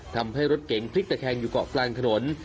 ทำให้รถเก๋งพลิกตะแคงอยู่เกาะกลางถนน